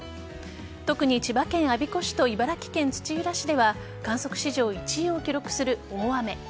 特に千葉県我孫子市と茨城県土浦市では観測史上１位を記録する大雨。